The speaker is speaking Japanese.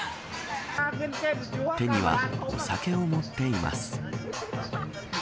手には酒を持っています。